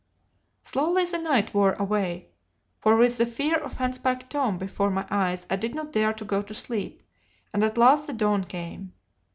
"Slowly the night wore away, for with the fear of Handspike Tom before my eyes I did not dare to go to sleep, and at last the dawn came.